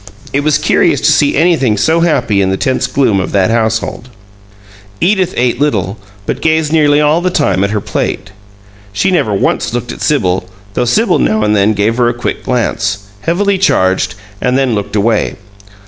It was curious to see anything so happy in the tense gloom of that household. Edith ate little, but gazed nearly all the time at her plate. She never once looked at Sibyl, though Sibyl now and then gave her a quick glance, heavily charged, and then looked away.